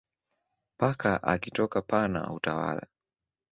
Paka akitoka panna hutawali.